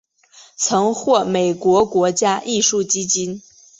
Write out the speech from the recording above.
曾获美国国家艺术基金。